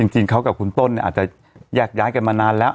จริงเขากับคุณต้นอาจจะแยกย้ายกันมานานแล้ว